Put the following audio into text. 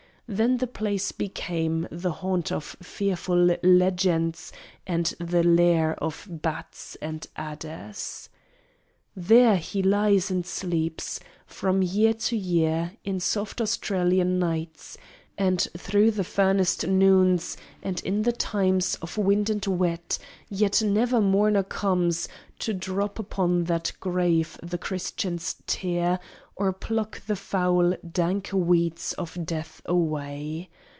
Then the place became The haunt of fearful legends and the lair Of bats and adders. There he lies and sleeps From year to year in soft Australian nights, And through the furnaced noons, and in the times Of wind and wet! Yet never mourner comes To drop upon that grave the Christian's tear Or pluck the foul, dank weeds of death away.